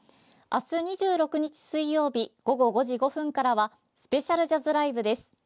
明日２６日、水曜日午後５時５分からはスペシャルジャズライブです。